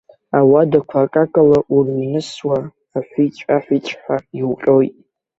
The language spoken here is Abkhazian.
Ауадақәа акакала урыҩнысуа, аҳәиҵә-аҳәиҵәҳәа иуҟьоит.